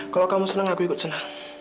kalau kamu senang aku ikut senang